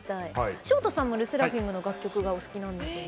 ＳｈｏｔａさんもＬＥＳＳＥＲＡＦＩＭの楽曲が好きなんですよね。